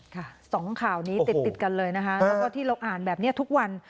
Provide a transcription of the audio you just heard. สองข่าวนี้ติดติดกันเลยนะคะแล้วก็ที่เราอ่านแบบนี้ทุกวัน